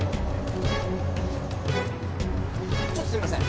ちょっとすみません。